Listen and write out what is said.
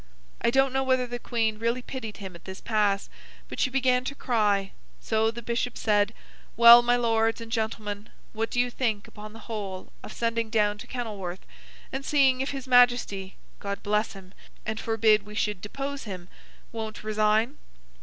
I don't know whether the Queen really pitied him at this pass, but she began to cry; so, the Bishop said, Well, my Lords and Gentlemen, what do you think, upon the whole, of sending down to Kenilworth, and seeing if His Majesty (God bless him, and forbid we should depose him!) won't resign?